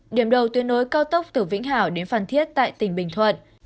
điểm đầu tuyên nối cao tốc tử vĩnh hảo đến phan thiết tại tỉnh bình thuận